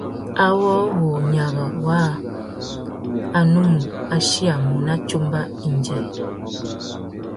Awô wu nyara waā a nù mù achiyamú nà tsumba indjê.